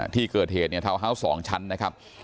ที่เกิดเหตุเนี่ยทาวน์ฮาวส์๒ชั้นนะครับ